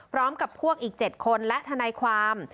พร้อมกับพวกอีก๗คนและทนายความ